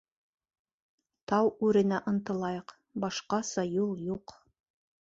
— Тау үренә ынтылайыҡ, башҡаса юл юҡ.